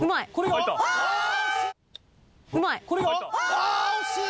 あ惜しい！